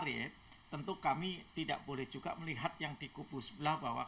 karena ada di kubunya pak ian farid tentu kami tidak boleh juga melihat yang di kubu sebelah bawah